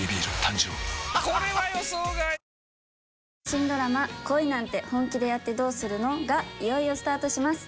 新ドラマ「恋なんて、本気でやってどうするの？」がいよいよスタートします。